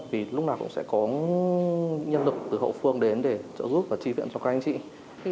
vì lúc nào cũng sẽ có nhân lực từ hậu phương đến để trợ giúp và tri viện cho các anh chị